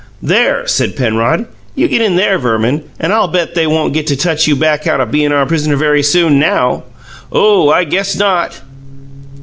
"There!" said Penrod. "You get in there, Verman, and I'll bet they won't get to touch you back out o' bein' our pris'ner very soon, NOW! Oh, I guess not!"